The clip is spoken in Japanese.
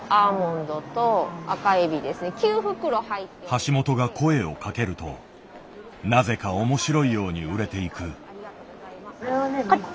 橋本が声をかけるとなぜか面白いように売れていく。